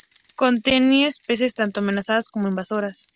Contiene especies tanto amenazadas como invasoras.